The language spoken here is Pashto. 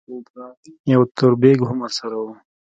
يو تور بېګ هم ورسره و.